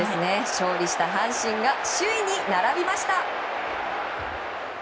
勝利した阪神が首位に並びました。